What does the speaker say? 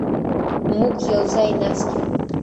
موږ یوځای ناست یو